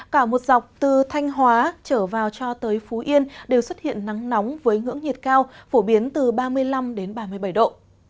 cả một dọc từ thanh hóa trở vào cho tới phú yên đều xuất hiện nắng nóng với ngưỡng nhiệt cao phổ biến từ ba mươi năm đến ba mươi bảy độ